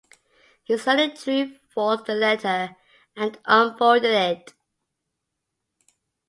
He slowly drew forth the letter, and unfolded it.